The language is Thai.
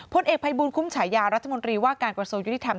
พลเอกภัยบุญคุ้มฉายารัฐมนตรีว่าการประสงค์ยุติแทมน์